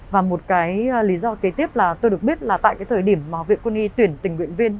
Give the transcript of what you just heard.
và một cái lý do kế tiếp là tôi được biết là tại cái thời điểm mà viện quân y tuyển tình nguyện viên